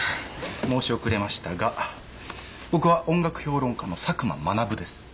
申し遅れましたが僕は音楽評論家の佐久間学です。